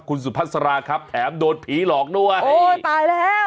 คุณสุพัสราครับแถมโดนผีหลอกด้วยโอ้ยตายแล้ว